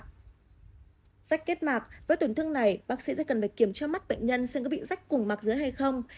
rách kết mạc với tổn thương này bác sĩ sẽ cần phải kiểm cho mắt bệnh nhân xem có bị rách cùng mặc dưới hay không